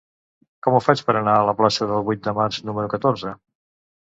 Com ho faig per anar a la plaça del Vuit de Març número catorze?